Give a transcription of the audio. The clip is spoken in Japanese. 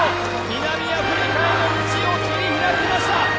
南アフリカへの道を切り開きました